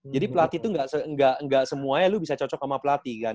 jadi pelati itu gak semuanya lu bisa cocok sama pelati kan